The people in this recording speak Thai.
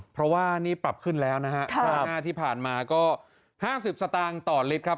เพราะว่านี่ปรับขึ้นแล้วนะฮะครั้งหน้าที่ผ่านมาก็๕๐สตางค์ต่อลิตรครับ